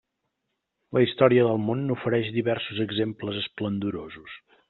La història del món n'ofereix diversos exemples esplendorosos.